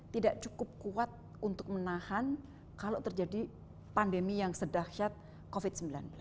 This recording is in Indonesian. tidak cukup kuat untuk menahan kalau terjadi pandemi yang sedahsyat covid sembilan belas